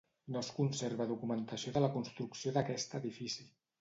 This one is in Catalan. No es conserva documentació de la construcció d'aquest edifici.